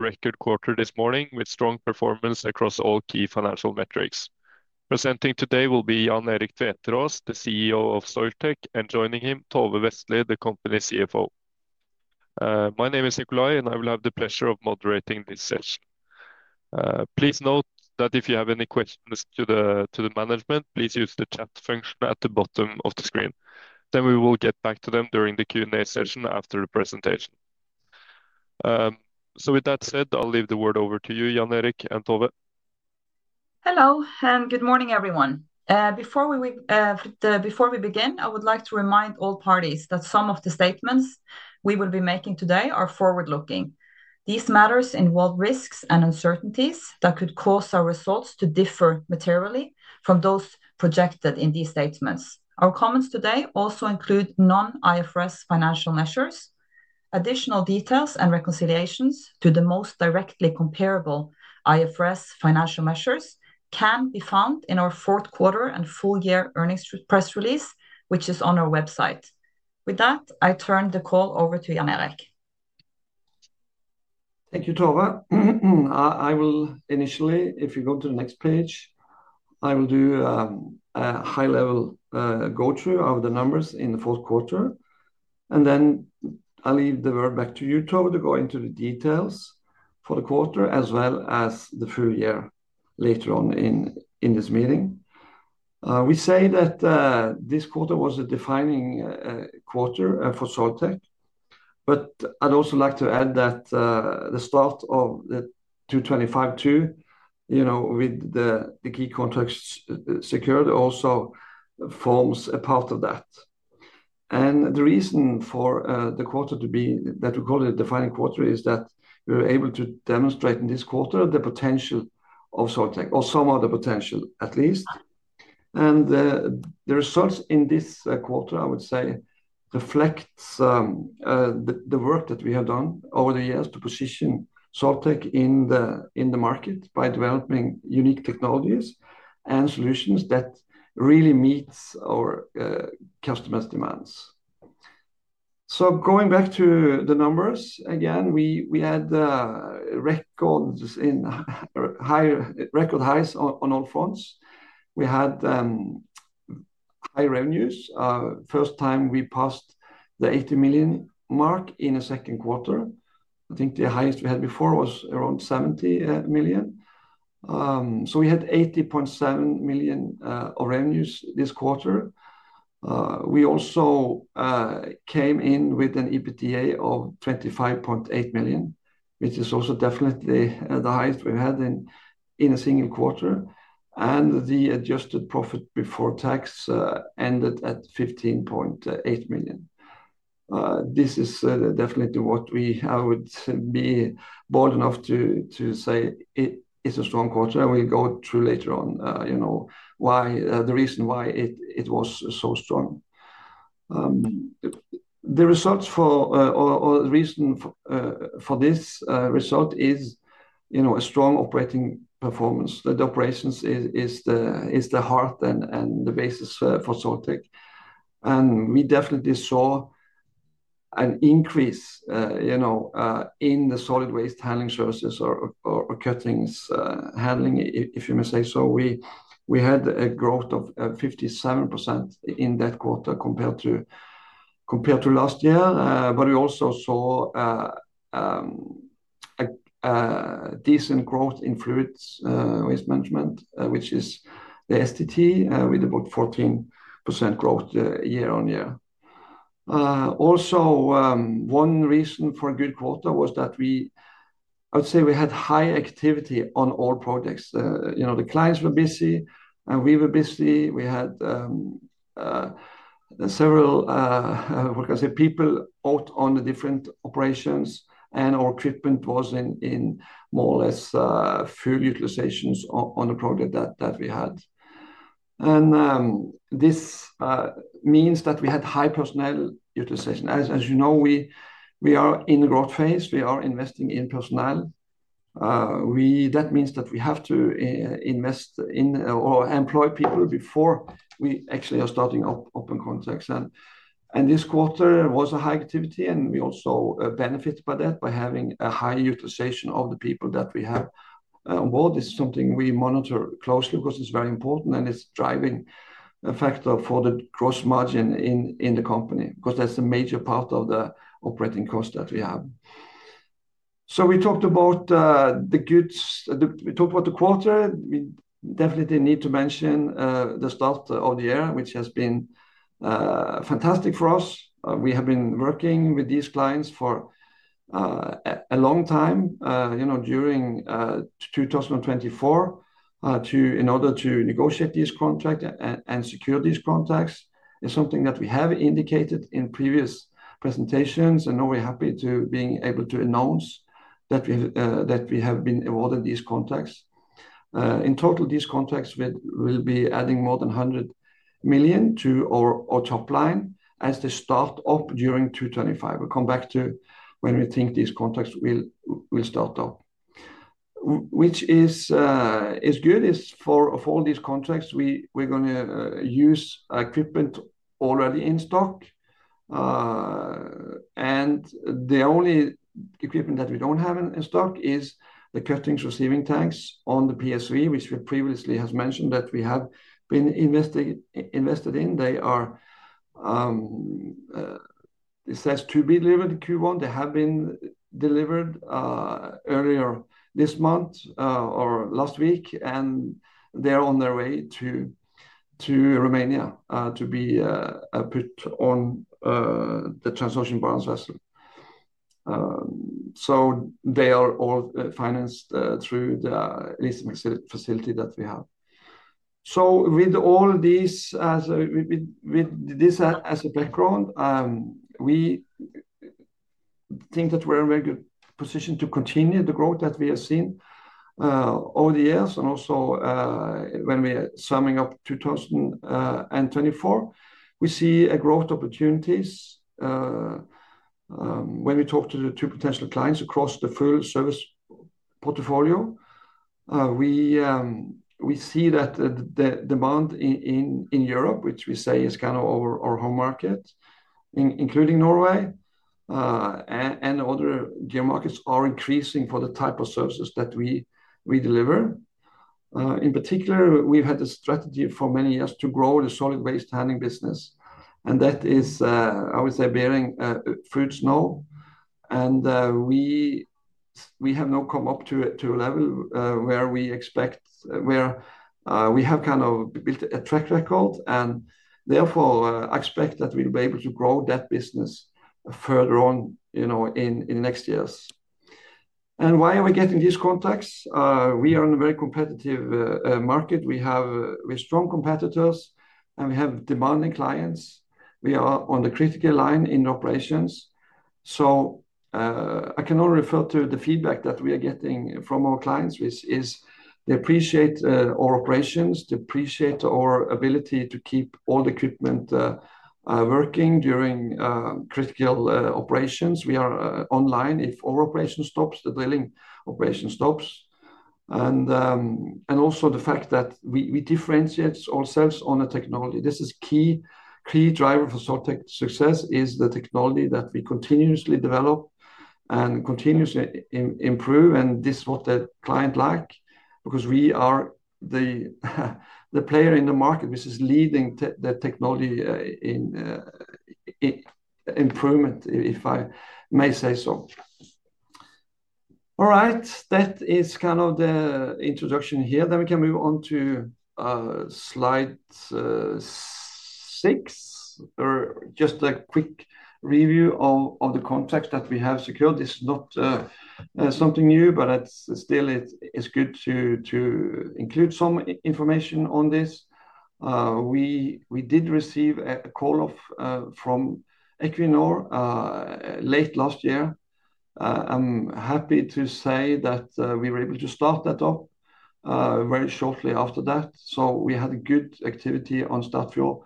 Record quarter this morning with strong performance across all key financial metrics. Presenting today will be Jan Erik Tveteraas, the CEO of Soiltech, and joining him, Tove Vestlie, the company's CFO. My name is Nicolai, and I will have the pleasure of moderating this session. Please note that if you have any questions to the management, please use the chat function at the bottom of the screen then we will get back to them during the Q&A session after the presentation. With that said, I'll leave the word over to you, Jan Erik and Tove. Hello, and good morning, everyone. Before we begin, I would like to remind all parties that some of the statements we will be making today are forward-looking. These matters involve risks and uncertainties that could cause our results to differ materially from those projected in these statements. Our comments today also include non-IFRS financial measures. Additional details and reconciliations to the most directly comparable IFRS financial measures can be found in our fourth quarter and full-year earnings press release, which is on our website. With that, I turn the call over to Jan Erik. Thank you, Tove. I will initially, if you go to the next page, I will do a high-level go-through of the numbers in the fourth quarter. I will leave the word back to you, Tove, to go into the details for the quarter as well as the full-year later on in this meeting. We say that this quarter was a defining quarter for Soiltech, but I'd also like to add that the start of 2025-2, with the key contracts secured, also forms a part of that. The reason for the quarter to be that we call it a defining quarter is that we were able to demonstrate in this quarter the potential of Soiltech, or some of the potential at least. The results in this quarter, I would say, reflect the work that we have done over the years to position Soiltech in the market by developing unique technologies and solutions that really meet our customers' demands. Going back to the numbers, again, we had record highs on all fronts. We had high revenues. First time we passed the 80 million mark in the second quarter. I think the highest we had before was around 70 million. We had 80.7 million of revenues this quarter. We also came in with an EBITDA of 25.8 million, which is also definitely the highest we've had in a single quarter. The adjusted profit before tax ended at 15.8 million. This is definitely what we would be bold enough to say is a strong quarter. We'll go through later on the reason why it was so strong. The reason for this result is a strong operating performance. The operations is the heart and the basis for Soiltech. We definitely saw an increase in the solid waste handling services or cuttings handling, if you may say so. We had a growth of 57% in that quarter compared to last year. We also saw decent growth in fluid waste management, which is the STT, with about 14% growth year-on-year. Also, one reason for a good quarter was that I would say we had high activity on all projects. The clients were busy, and we were busy. We had several people out on the different operations, and our equipment was in more or less full utilizations on the project that we had. This means that we had high personnel utilization. As you know, we are in the growth phase. We are investing in personnel. That means that we have to invest in or employ people before we actually are starting up open contracts. This quarter was a high activity, and we also benefited by that by having a high utilization of the people that we have on board. This is something we monitor closely because it is very important and it is a driving factor for the gross margin in the company because that is a major part of the operating cost that we have. We talked about the goods. We talked about the quarter. We definitely need to mention the start of the year, which has been fantastic for us. We have been working with these clients for a long time during 2024 in order to negotiate these contracts and secure these contracts. It's something that we have indicated in previous presentations, and we're happy to be able to announce that we have been awarded these contracts. In total, these contracts will be adding more than 100 million to our top line as they start up during 2025. We'll come back to when we think these contracts will start up which is good is for all these contracts. We're going to use equipment already in stock. The only equipment that we don't have in stock is the cuttings receiving tanks on the PSV, which we previously have mentioned that we have been invested in. It says to be delivered in Q1. They have been delivered earlier this month or last week, and they're on their way to Romania to be put on the Transocean Barents vessel. They are all financed through the Eksfin facility that we have. With this as a background, we think that we're in a very good position to continue the growth that we have seen over the years. Also, when we are summing up 2024, we see growth opportunities. When we talk to the two potential clients across the full service portfolio, we see that the demand in Europe, which we say is kind of our home market, including Norway and other geo markets are increasing for the type of services that we deliver. In particular, we've had a strategy for many years to grow the solid waste handling business, and that is, I would say, bearing fruits now. We have now come up to a level where we expect, where we have kind of built a track record, and therefore expect that we'll be able to grow that business further on in the next years. Why are we getting these contracts? We are in a very competitive market. We have strong competitors, and we have demanding clients. We are on the critical line in operations. I can only refer to the feedback that we are getting from our clients, which is they appreciate our operations. They appreciate our ability to keep all the equipment working during critical operations. We are online; if our operation stops, the drilling operation stops. Also, the fact that we differentiate ourselves on the technology. This is a key driver for Soiltech's success, is the technology that we continuously develop and continuously improve. This is what the clients like because we are the player in the market, which is leading the technology in improvement, if I may say so. All right, that is kind of the introduction here. We can move on to slide six for just a quick review of the contracts that we have secured. This is not something new, but still it's good to include some information on this. We did receive a call from Equinor late last year. I'm happy to say that we were able to start that up very shortly after that. We had good activity on Statfjord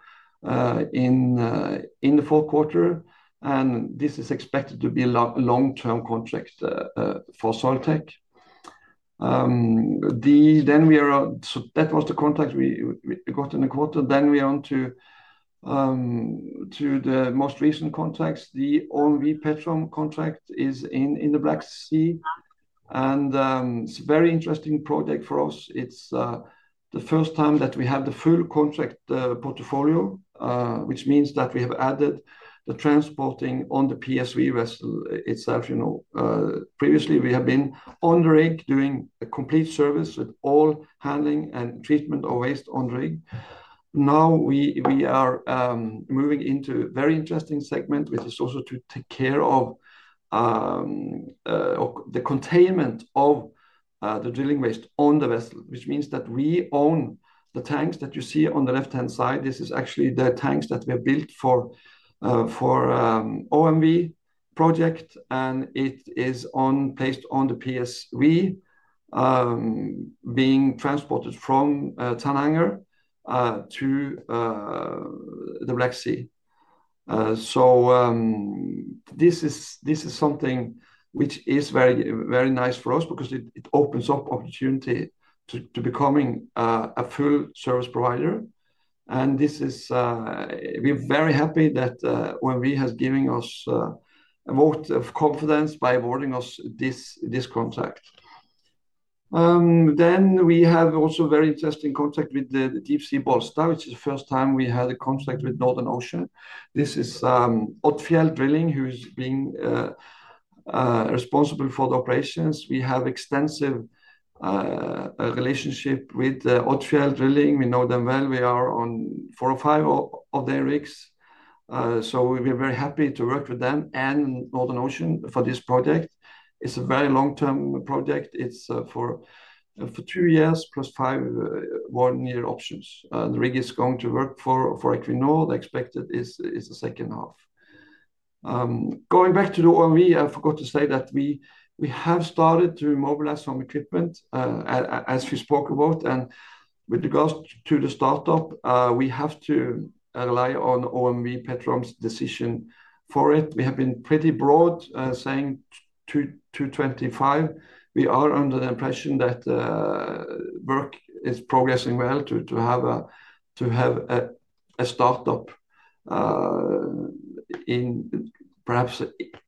in the fourth quarter, and this is expected to be a long-term contract for Soiltech. That was the contract we got in the quarter. We are on to the most recent contracts. The OMV Petrom contract is in the Black Sea, and it's a very interesting project for us. It's the first time that we have the full contract portfolio, which means that we have added the transporting on the PSV vessel itself. Previously, we have been on the rig doing a complete service with all handling and treatment of waste on the rig. Now we are moving into a very interesting segment, which is also to take care of the containment of the drilling waste on the vessel, which means that we own the tanks that you see on the left-hand side. This is actually the tanks that were built for the OMV project, and it is placed on the PSV, being transported from Tananger to the Black Sea. This is something which is very nice for us because it opens up opportunity to becoming a full service provider. We are very happy that OMV has given us a vote of confidence by awarding us this contract. We have also a very interesting contract with the Deepsea Bollsta, which is the first time we had a contract with Northern Ocean. This is Odfjell Drilling, who is being responsible for the operations. We have an extensive relationship with Odfjell Drilling. We know them well. We are on four or five of their rigs. We are very happy to work with them and Northern Ocean for this project. It is a very long-term project. It is for two years plus five one-year options. The rig is going to work for Equinor. The expected is the second half. Going back to the OMV, I forgot to say that we have started to mobilize some equipment, as we spoke about. With regards to the startup, we have to rely on OMV Petrom's decision for it. We have been pretty broad saying 2025. We are under the impression that work is progressing well to have a startup perhaps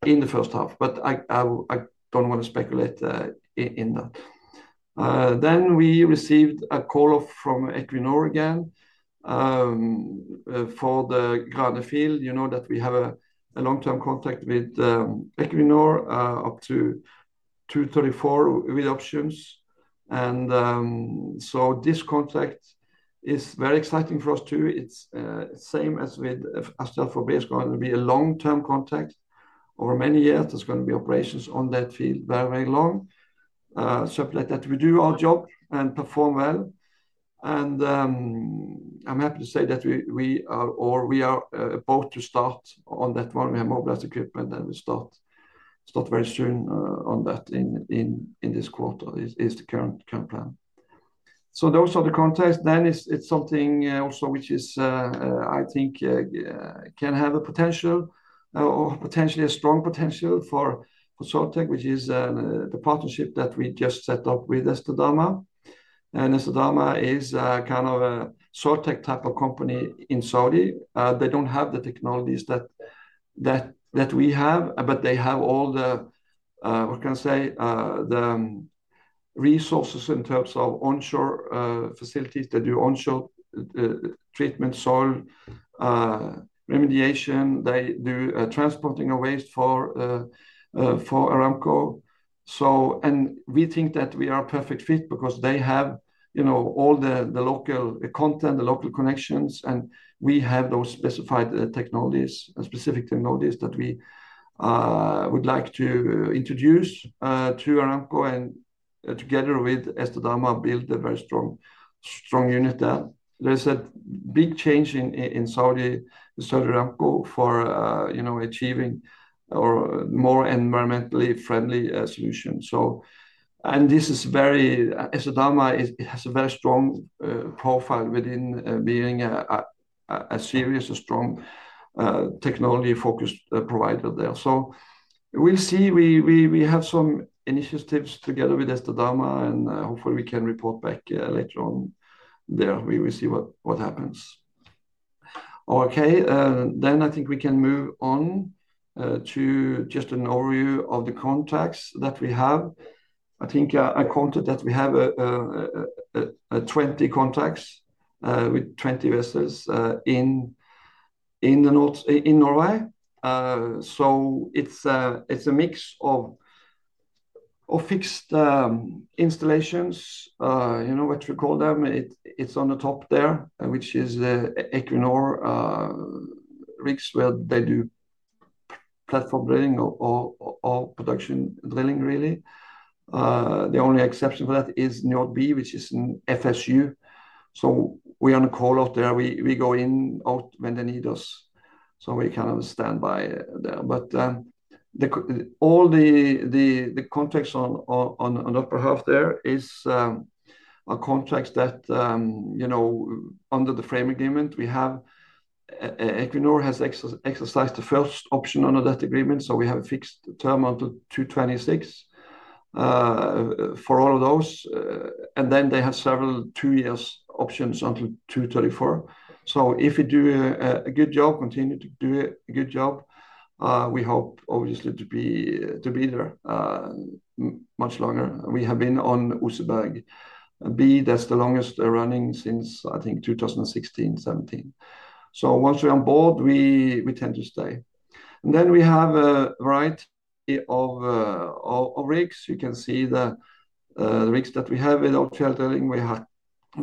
in the first half, but I don't want to speculate in that. We received a call from Equinor again for the Grane oil field. You know that we have a long-term contract with Equinor up to 2034 with options. This contract is very exciting for us too. It's the same as with Statfjord B. It's going to be a long-term contract over many years. There are going to be operations on that field very, very long, that we do our job and perform well. I'm happy to say that we are about to start on that one. We have mobilized equipment, and we'll start very soon on that in this quarter is the current plan. Those are the contacts. It is something also which I think can have a potential or potentially a strong potential for Soiltech, which is the partnership that we just set up with Estedama. Estedama is kind of a Soiltech type of company in Saudi. They do not have the technologies that we have, but they have all the, what can I say, the resources in terms of onshore facilities that do onshore treatment, soil remediation. They do transporting of waste for Aramco. We think that we are a perfect fit because they have all the local content, the local connections, and we have those specified technologies, specific technologies that we would like to introduce to Aramco and together with Estedama build a very strong unit there. There is a big change in Saudi Aramco for achieving more environmentally friendly solutions. Estedama has a very strong profile within being a serious and strong technology-focused provider there. We will see. We have some initiatives together with Estedama, and hopefully we can report back later on there. We will see what happens. Okay, I think we can move on to just an overview of the contacts that we have. I think I counted that we have 20 contacts with 20 vessels in Norway. It is a mix of fixed installations. What we call them, it is on the top there, which is Equinor rigs where they do platform drilling or production drilling, really. The only exception for that is Njord B, which is an FSU. We are on a call out there. We go in and out when they need us. We kind of stand by there. All the contracts on the upper half there are contracts that under the frame agreement we have. Equinor has exercised the first option under that agreement. We have a fixed term until 2026 for all of those. They have several two-year options until 2024. If we do a good job, continue to do a good job, we hope obviously to be there much longer. We have been on Oseberg B, that's the longest running since, I think, 2016, 2017. Once we're on board, we tend to stay. We have a variety of rigs. You can see the rigs that we have with Odfjell Drilling. We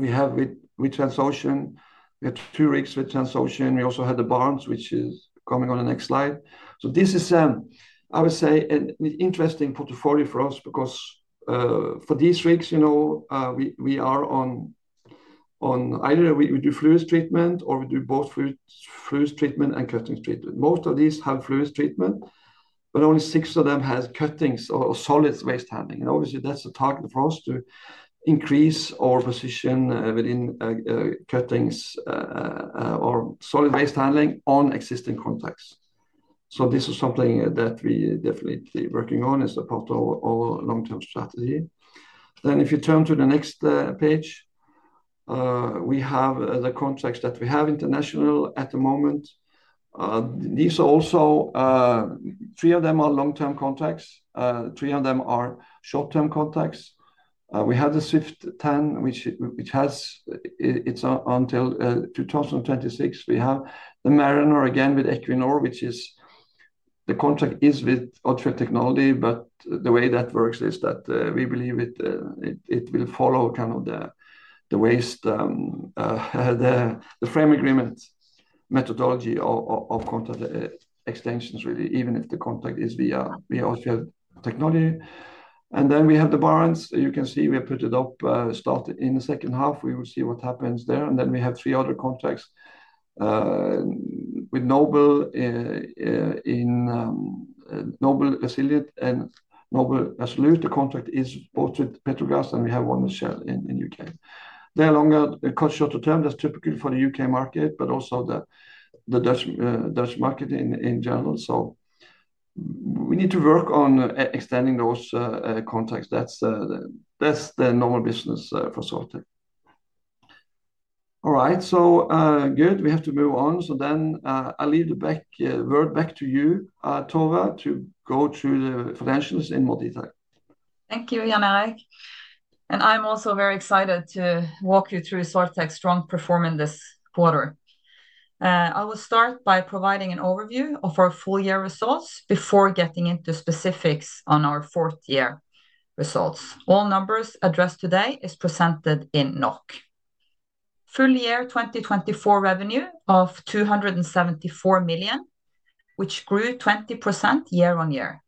have with it with Transocean. We have two rigs with Transocean. We also had the Barents, which is coming on the next slide. This is, I would say, an interesting portfolio for us because for these rigs, we are on either we do fluid treatment or we do both fluid treatment and cuttings treatment. Most of these have fluid treatment, but only six of them have cuttings or solid waste handling. Obviously, that's a target for us to increase our position within cuttings or solid waste handling on existing contacts. This is something that we definitely are working on as part of our long-term strategy. If you turn to the next page, we have the contracts that we have international at the moment. These are also three of them are long-term contracts. Three of them are short-term contracts. We have the Swift 10, which has its until 2026. We have the Mariner again with Equinor, which is the contract is with Odfjell Technology, but the way that works is that we believe it will follow kind of the frame agreement methodology of contract extensions, really, even if the contract is via Odfjell Technology. We have the Barents. You can see we have put it up started in the second half. We will see what happens there. We have three other contracts with Noble Resilient and Noble Absolute. The contract is both with Petrogas and we have one with Shell in the U.K. They're longer, cut shorter term. That's typical for the U.K. market, but also the Dutch market in general. We need to work on extending those contracts. That's the normal business for Soiltech. All right, so good. We have to move on. I'll leave the word back to you, Tove, to go through the financials in more detail. Thank you, Jan Erik. I'm also very excited to walk you through Soiltech's strong performance this quarter. I will start by providing an overview of our full-year results before getting into specifics on our fourth-year results. All numbers addressed today are presented in NOK. Full-year 2024 revenue of 274 million, which grew 20% year-on-year.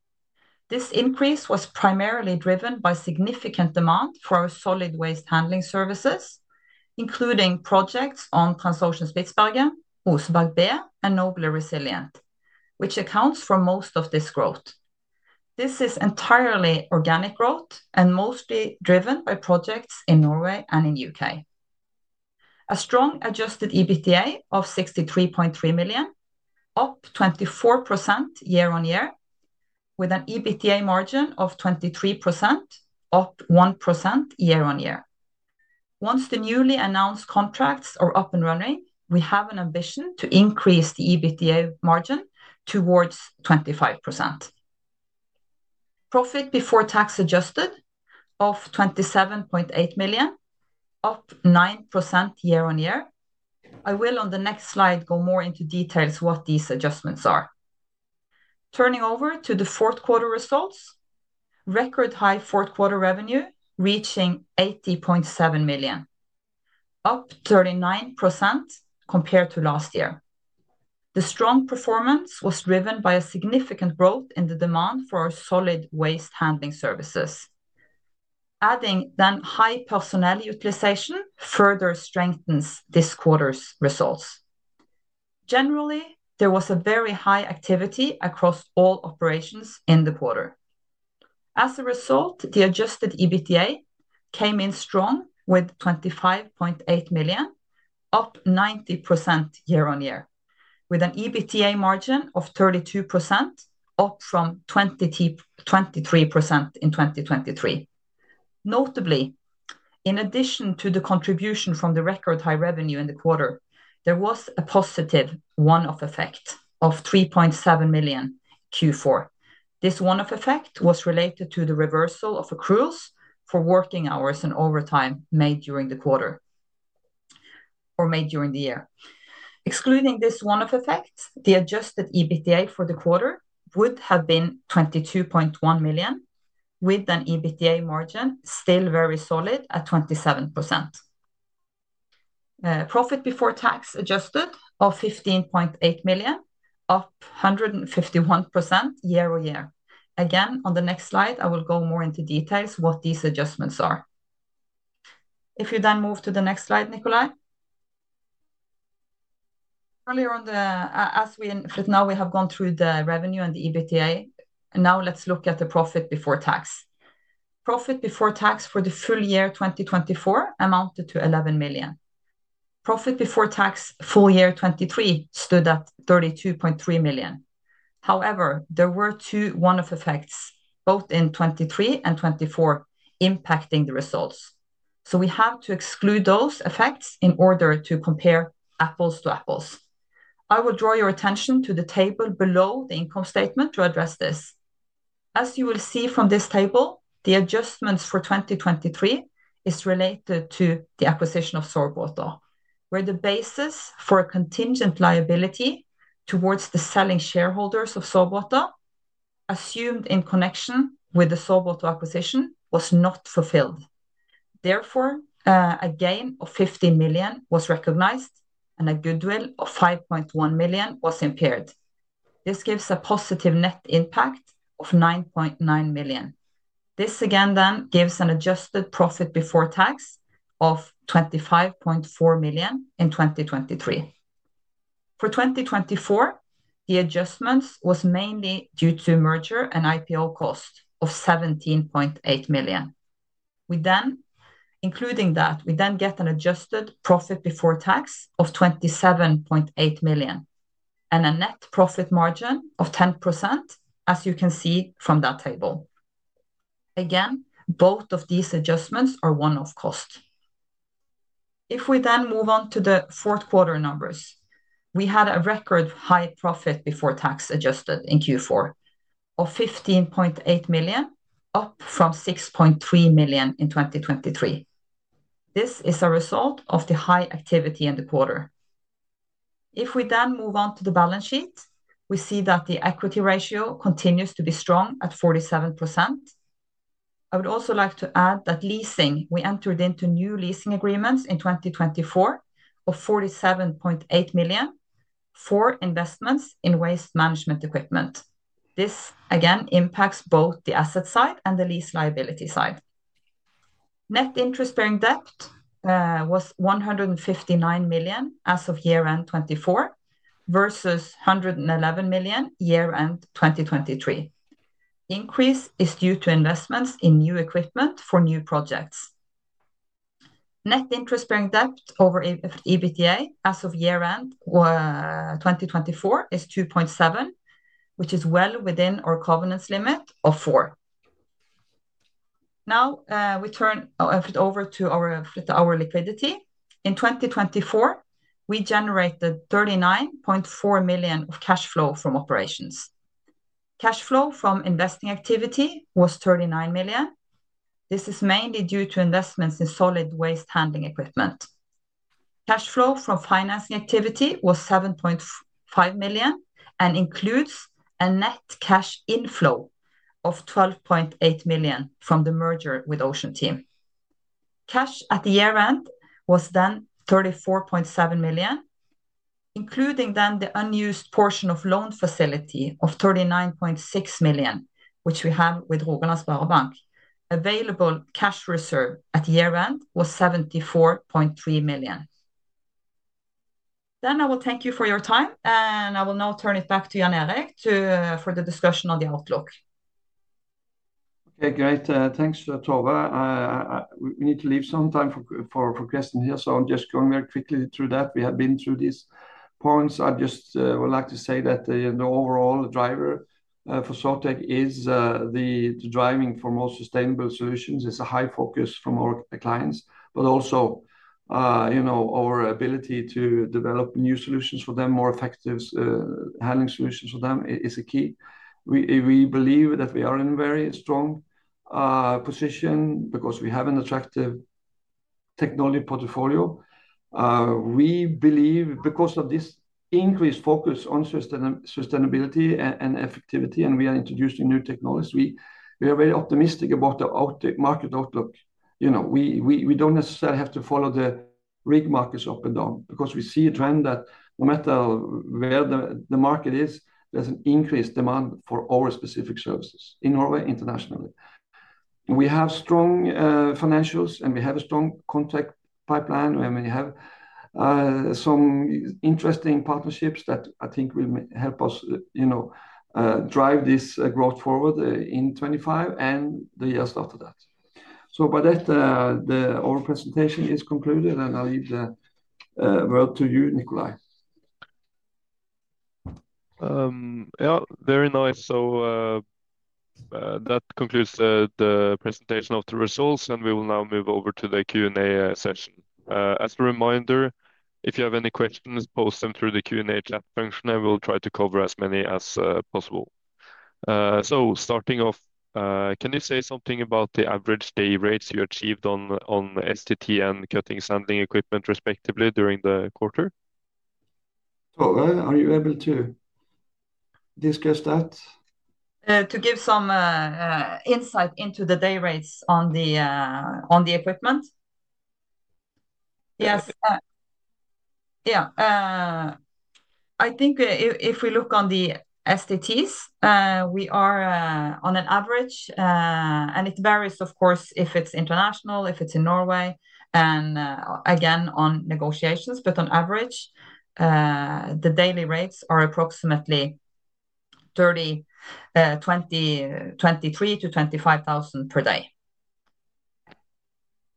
This increase was primarily driven by significant demand for our solid waste handling services, including projects on Transocean Spitsbergen, Oseberg B, and Noble Resilient, which accounts for most of this growth. This is entirely organic growth and mostly driven by projects in Norway and in the U.K. A strong adjusted EBITDA of 63.3 million, up 24% year-on-year, with an EBITDA margin of 23%, up 1% year-on-year. Once the newly announced contracts are up and running, we have an ambition to increase the EBITDA margin towards 25%. Profit before tax adjusted of 27.8 million, up 9% year-on-year. I will, on the next slide, go more into details what these adjustments are. Turning over to the fourth quarter results, record high fourth quarter revenue reaching 80.7 million, up 39% compared to last year. The strong performance was driven by a significant growth in the demand for our solid waste handling services. Adding then high personnel utilization further strengthens this quarter's results. Generally, there was a very high activity across all operations in the quarter. As a result, the adjusted EBITDA came in strong with 25.8 million, up 90% year-on-year, with an EBITDA margin of 32%, up from 23% in 2023. Notably, in addition to the contribution from the record high revenue in the quarter, there was a positive one-off effect of 3.7 million in Q4. This one-off effect was related to the reversal of accruals for working hours and overtime made during the quarter or made during the year. Excluding this one-off effect, the adjusted EBITDA for the quarter would have been 22.1 million, with an EBITDA margin still very solid at 27%. Profit before tax adjusted of 15.8 million, up 151% year-on-year. Again, on the next slide, I will go more into details what these adjustments are. If you then move to the next slide, Nicolai. Earlier on, as we now have gone through the revenue and the EBITDA, now let's look at the profit before tax. Profit before tax for the full-year 2024 amounted to 11 million. Profit before tax full-year 2023 stood at 32.3 million. However, there were two one-off effects both in 2023 and 2024 impacting the results. We have to exclude those effects in order to compare apples to apples. I will draw your attention to the table below the income statement to address this. As you will see from this table, the adjustments for 2023 are related to the acquisition of Sorbwater, where the basis for a contingent liability towards the selling shareholders of Sorbwater assumed in connection with the Sorbwater acquisition was not fulfilled. Therefore, a gain of 15 million was recognized and a goodwill of 5.1 million was impaired. This gives a positive net impact of 9.9 million. This again then gives an adjusted profit before tax of 25.4 million in 2023. For 2024, the adjustments were mainly due to merger and IPO cost of 17.8 million. Including that, we then get an adjusted profit before tax of 27.8 million and a net profit margin of 10%, as you can see from that table. Again, both of these adjustments are one-off cost. If we then move on to the fourth quarter numbers, we had a record high profit before tax adjusted in Q4 of 15.8 million, up from 6.3 million in 2023. This is a result of the high activity in the quarter. If we then move on to the balance sheet, we see that the equity ratio continues to be strong at 47%. I would also like to add that leasing, we entered into new leasing agreements in 2024 of 47.8 million for investments in waste management equipment. This again impacts both the asset side and the lease liability side. Net interest-bearing debt was 159 million as of year-end 2024 versus 111 million year-end 2023. Increase is due to investments in new equipment for new projects. Net interest-bearing debt over EBITDA as of year-end 2024 is 2.7, which is well within our covenants limit of 4. Now we turn over to our liquidity. In 2024, we generated 39.4 million of cash flow from operations. Cash flow from investing activity was 39 million. This is mainly due to investments in solid waste handling equipment. Cash flow from financing activity was 7.5 million and includes a net cash inflow of 12.8 million from the merger with Oceanteam. Cash at the year-end was then 34.7 million, including then the unused portion of loan facility of 39.6 million, which we have with Rogaland Sparebank. Available cash reserve at year-end was 74.3 million. I will thank you for your time, and I will now turn it back to Jan Erik for the discussion on the outlook. Okay, great. Thanks, Tove. We need to leave some time for questions here, so I'm just going very quickly through that. We have been through these points. I just would like to say that the overall driver for Soiltech is the driving for more sustainable solutions. It's a high focus from our clients, but also our ability to develop new solutions for them, more effective handling solutions for them is a key. We believe that we are in a very strong position because we have an attractive technology portfolio. We believe because of this increased focus on sustainability and effectivity, and we are introducing new technologies, we are very optimistic about the market outlook. We don't necessarily have to follow the rig markets up and down because we see a trend that no matter where the market is, there's an increased demand for our specific services in Norway internationally. We have strong financials, and we have a strong contract pipeline, and we have some interesting partnerships that I think will help us drive this growth forward in 2025 and the years after that. By that, our presentation is concluded, and I'll leave the word to you, Nicolai. Yeah, very nice. That concludes the presentation of the results, and we will now move over to the Q&A session. As a reminder, if you have any questions, post them through the Q&A chat function, and we'll try to cover as many as possible. Starting off, can you say something about the average day rates you achieved on STT and cuttings handling equipment respectively during the quarter? Tove, are you able to discuss that? To give some insight into the day rates on the equipment? Yes. Yeah. I think if we look on the STTs, we are on an average, and it varies, of course, if it's international, if it's in Norway, and again, on negotiations, but on average, the daily rates are approximately 23,000 to 25,000 per day.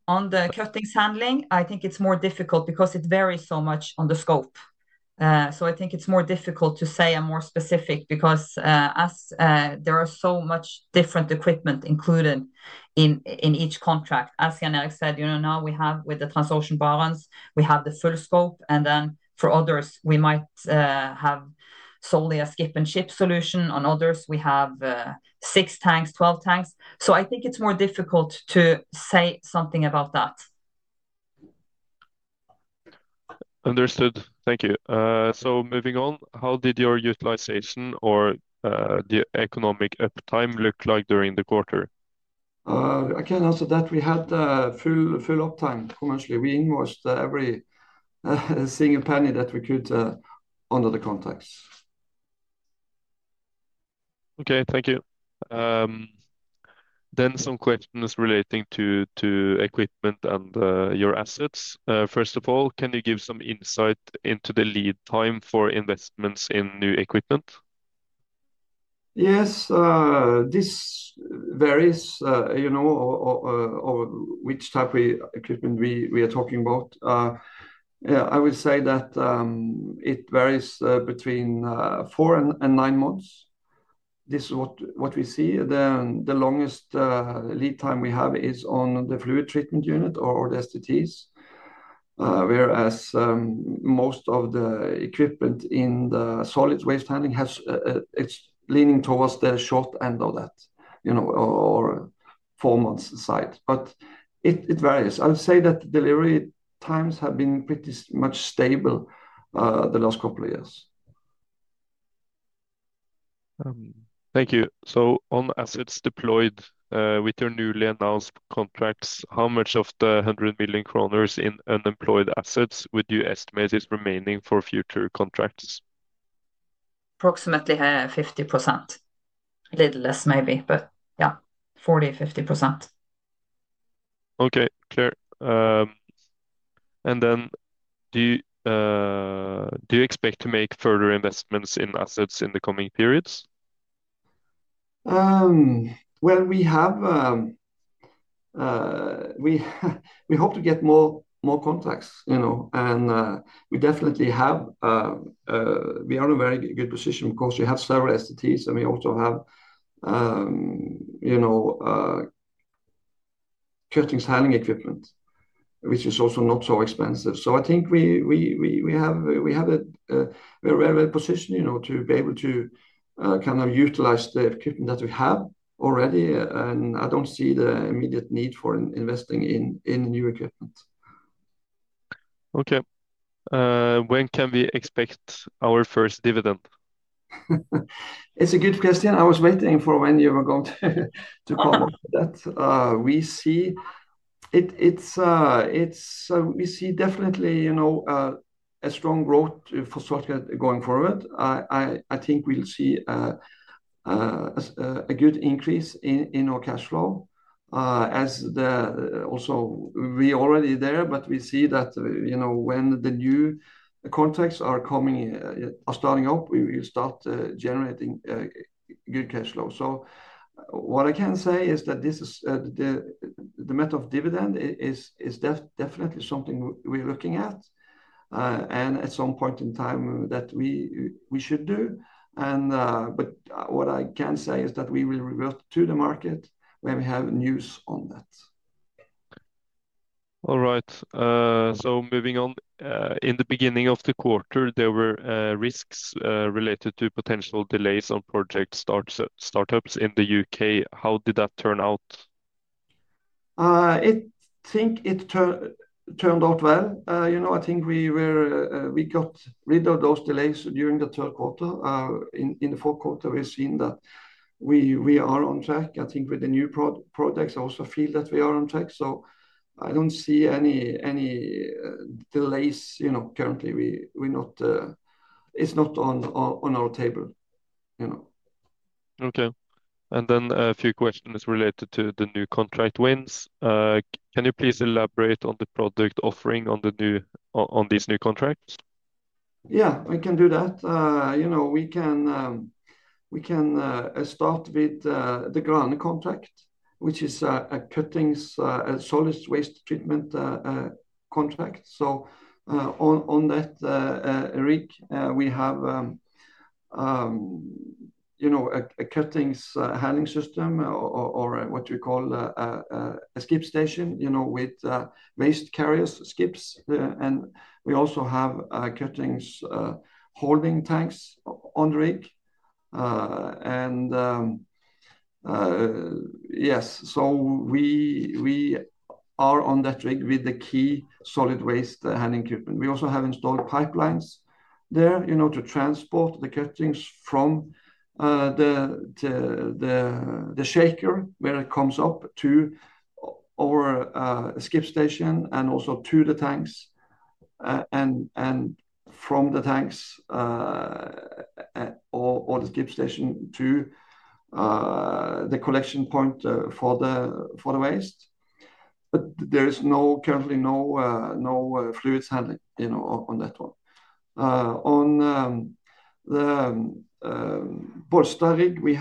On the cuttings handling, I think it's more difficult because it varies so much on the scope. I think it's more difficult to say a more specific because there are so much different equipment included in each contract. As Jan Erik said, now we have with the Transocean Barents, we have the full scope, and then for others, we might have solely a skip and ship solution. On others, we have six tanks, 12 tanks. I think it's more difficult to say something about that. Understood. Thank you. Moving on, how did your utilization or the economic uptime look like during the quarter? I can answer that. We had full uptime commercially. We invoiced every single penny that we could under the contracts. Okay, thank you. Some questions relating to equipment and your assets. First of all, can you give some insight into the lead time for investments in new equipment? Yes, this varies which type of equipment we are talking about. I would say that it varies between four and nine months. This is what we see. The longest lead time we have is on the fluid treatment unit or the STTs, whereas most of the equipment in the solid waste handling has leaning towards the short end of that or four months' aside. It varies. I would say that delivery times have been pretty much stable the last couple of years. Thank you. On assets deployed with your newly announced contracts, how much of the 100 million kroner in unemployed assets would you estimate is remaining for future contracts? Approximately 50%. A little less maybe, but yeah, 40%-50%. Okay, clear. Do you expect to make further investments in assets in the coming periods? We hope to get more contracts and we definitely have. We are in a very good position because we have several STTs, and we also have cuttings handling equipment, which is also not so expensive. I think we have a very good position to be able to kind of utilize the equipment that we have already, and I do not see the immediate need for investing in new equipment. Okay. When can we expect our first dividend? It is a good question. I was waiting for when you were going to comment on that. We see definitely a strong growth for Soiltech going forward. I think we'll see a good increase in our cash flow. Also, we're already there, but we see that when the new contracts are starting up, we will start generating new cash flow. What I can say is that the matter of dividend is definitely something we're looking at and at some point in time that we should do. What I can say is that we will revert to the market when we have news on that. All right. Moving on, in the beginning of the quarter, there were risks related to potential delays on project startups in the U.K. How did that turn out? I think it turned out well. I think we got rid of those delays during the third quarter. In the fourth quarter, we've seen that we are on track. I think with the new projects, I also feel that we are on track. I do not see any delays currently. It is not on our table. Okay. A few questions related to the new contract wins. Can you please elaborate on the product offering on these new contracts? Yeah, we can do that. We can start with the Grane contract, which is a cuttings solid waste treatment contract. On that rig, we have a cuttings handling system or what we call a skip station with waste carriers, skips. We also have cuttings holding tanks on the rig. Yes, we are on that rig with the key solid waste handling equipment. We also have installed pipelines there to transport the cuttings from the shaker where it comes up to our skip station and also to the tanks and from the tanks or the skip station to the collection point for the waste. There is currently no fluids handling on that one. On the Bollsta rig, we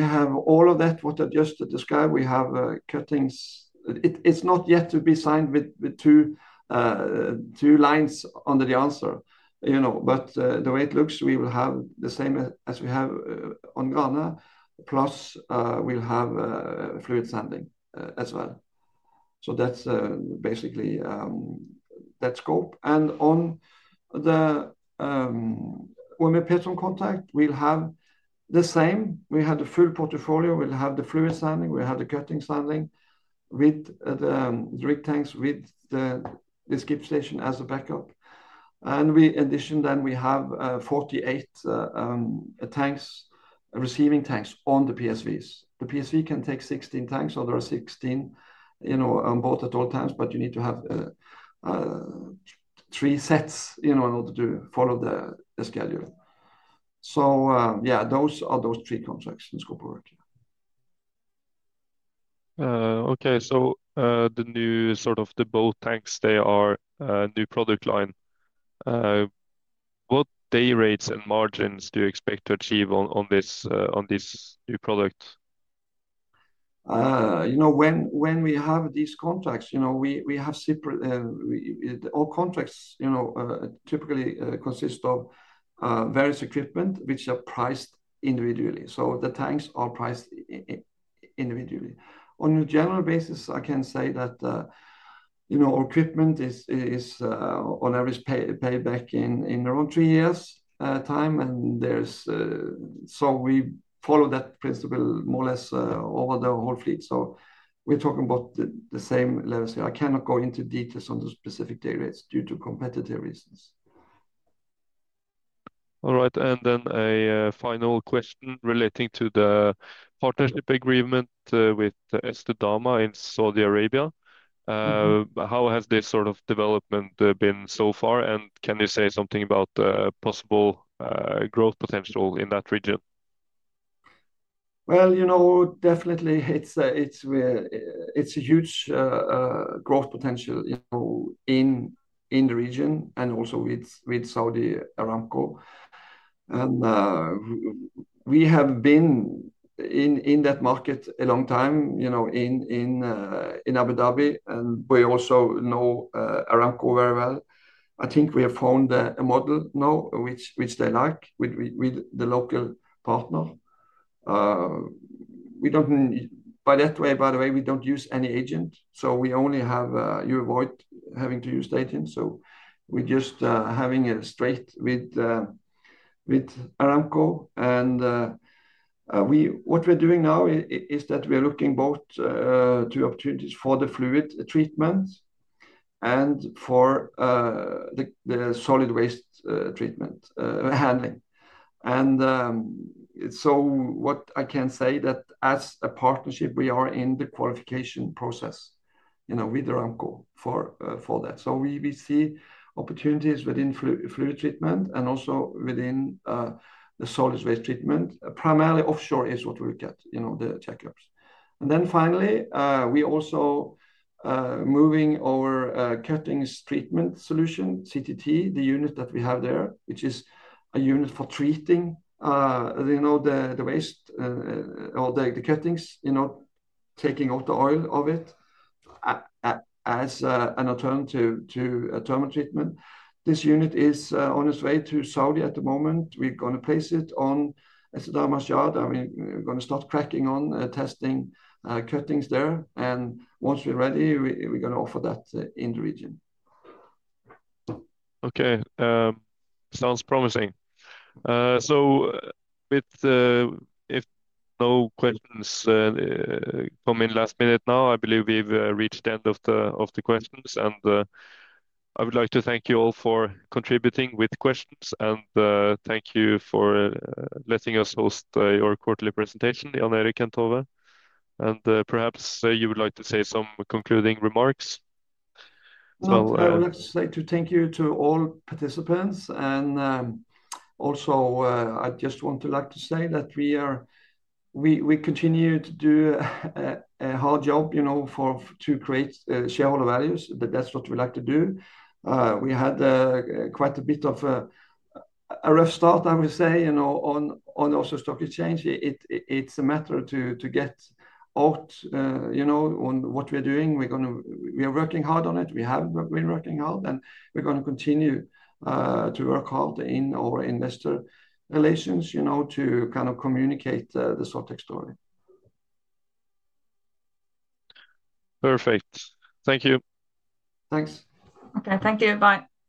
have all of that, what I've just described. We have cuttings. It's not yet to be signed with two lines under the answer. The way it looks, we will have the same as we have on Grane, plus we'll have fluid handling as well. That's basically that scope. On the OMV Petrom contract, we'll have the same. We had the full portfolio. We'll have the fluid handling. We'll have the cuttings handling with the rig tanks with the skip station as a backup. In addition, we have 48 receiving tanks on the PSVs. The PSV can take 16 tanks, so there are 16 on board at all times, but you need to have three sets in order to follow the schedule. Those are those three contracts in scope of work. The new sort of the boat tanks, they are a new product line. What day rates and margins do you expect to achieve on this new product? When we have these contracts, we have all contracts typically consist of various equipment, which are priced individually. The tanks are priced individually. On a general basis, I can say that our equipment is on average paid back in around three years' time. We follow that principle more or less over the whole fleet. We're talking about the same levels. I cannot go into details on the specific day rates due to competitive reasons. All right. A final question relating to the partnership agreement with Estedama in Saudi Arabia. How has this sort of development been so far? Can you say something about the possible growth potential in that region? Definitely, it's a huge growth potential in the region and also with Saudi Aramco. We have been in that market a long time in Abu Dhabi, and we also know Aramco very well. I think we have found a model now which they like with the local partner. By the way, we do not use any agent. You avoid having to use the agent. We are just having a straight with Aramco. What we're doing now is that we're looking both to opportunities for the fluid treatment and for the solid waste treatment handling. What I can say is that as a partnership, we are in the qualification process with Aramco for that. We see opportunities within fluid treatment and also within the solid waste treatment. Primarily offshore is what we look at, the checkups. Finally, we're also moving our cuttings treatment solution, CTT, the unit that we have there, which is a unit for treating the waste or the cuttings, taking out the oil of it as an alternative to a thermal treatment. This unit is on its way to Saudi at the moment. We're going to place it on Estedama yard. We're going to start cracking on testing cuttings there. Once we're ready, we're going to offer that in the region. Okay. Sounds promising. If no questions come in last minute now, I believe we've reached the end of the questions. I would like to thank you all for contributing with questions. Thank you for letting us host your quarterly presentation, Jan Erik Tveteraas. Perhaps you would like to say some concluding remarks. I would like to say thank you to all participants. Also, I just want to say that we continue to do a hard job to create shareholder values. That's what we like to do. We had quite a bit of a rough start, I would say, on the Oslo Stock Exchange. It's a matter to get out on what we're doing. We are working hard on it. We have been working hard. We're going to continue to work hard in our investor relations to kind of communicate the Soiltech story. Perfect. Thank you. Thanks. Okay. Thank you. Bye.